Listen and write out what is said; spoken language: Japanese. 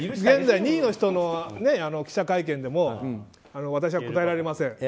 現在２位の人の記者会見でも私は答えられません。